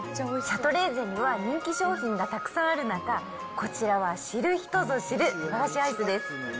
シャトレーゼには人気商品がたくさんある中、こちらは知る人ぞ知る、和菓子アイスです。